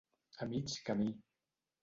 A mig camí.